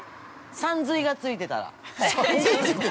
◆「さんずい」がついてたら？